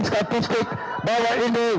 statistik bahwa ini